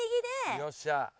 よっしゃ。